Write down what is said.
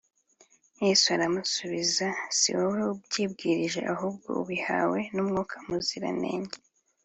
Yesu aramusubiza siwowe ubyibwirije ahubwo ubihawe na mwuka muziranenge